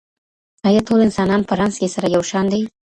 ایا ټول انسانان په رنځ کي سره یو شان دي؟